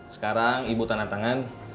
sekarang ibu tanda tangan